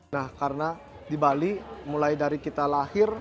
nah karena di bali mulai dari kita lahir